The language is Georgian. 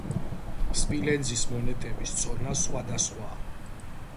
სპილენძის მონეტების წონა სხვადასხვაა.